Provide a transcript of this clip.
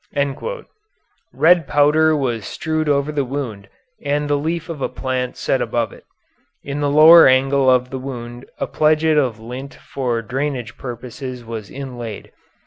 Red powder was strewed over the wound and the leaf of a plant set above it. In the lower angle of the wound a pledget of lint for drainage purposes was inlaid.